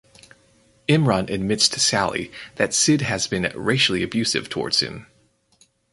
Imran admits to Sally that Sid has been racially abusive towards him.